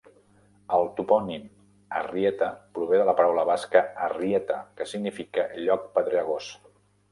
El topònim "Arrieta" prové de la paraula basca "harrieta", que significa "lloc pedregós".